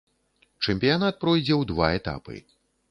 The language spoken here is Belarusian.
Чэмпіянат пройдзе ў два этапы.